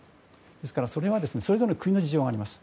ですから、それはそれぞれの国の事情があります。